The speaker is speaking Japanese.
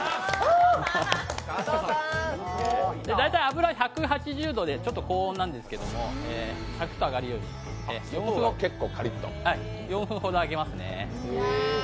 大体油は１８０度でちょっと高温なんですけどサクっと揚がるように４分ほど揚げます。